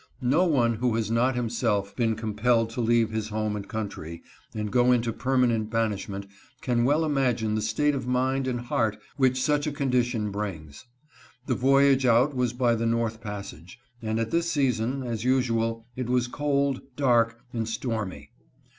No one who has not himself been compelled to leave his home and country and go into permanent banishment can well imagine the state of mind and heart which such a condition brings. The voyage out was by the north passage, and at this season, as usual, it was cold, dark, and stormy.